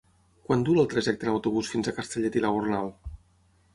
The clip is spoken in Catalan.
Quant dura el trajecte en autobús fins a Castellet i la Gornal?